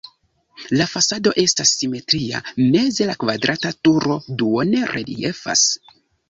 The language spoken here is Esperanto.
La fasado estas simetria, meze la kvadrata turo duone reliefas.